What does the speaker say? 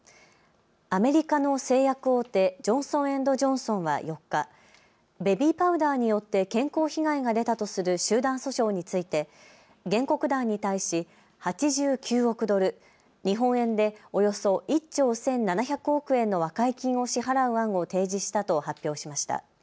アメリカの製薬大手、ジョンソン・エンド・ジョンソンが４日、ベビーパウダーによって健康被害が出たとする集団訴訟について原告団に対し８９億ドル、日本円でおよそ１兆１７００億円の和解金を支払う案を提示したと発表しました。